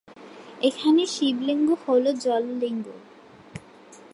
এখানে শিবলিঙ্গ হল জল লিঙ্গ।